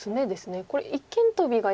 これ一間トビがよく。